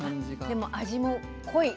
でも味も濃い。